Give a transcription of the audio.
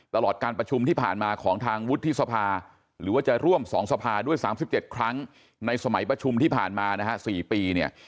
ตลอดการประชุมที่ผ่านมาของทางวุฒิสภาหรือว่าจะร่วม๒สภาด้วย๓๗ครั้งในสมัยประชุมที่ผ่านมานะฮะ๔ปีเนี่ย